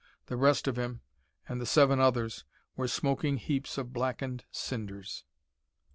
The rest of him, and the seven others, were smoking heaps of blackened cinders.